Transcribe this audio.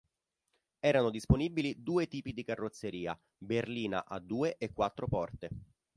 Erano disponibili due tipi di carrozzeria, berlina a due e quattro porte.